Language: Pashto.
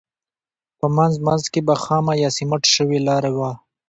په منځ منځ کې به خامه یا سمنټ شوې لاره وه.